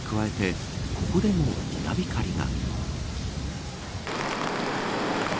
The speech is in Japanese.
激しい雨に加えてここでも稲光が。